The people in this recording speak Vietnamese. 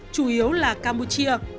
chủ yếu là campuchia